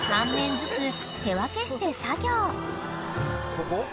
ここ？